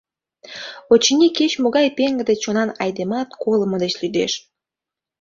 Очыни, кеч-могай пеҥгыде чонан айдемат колымо деч лӱдеш.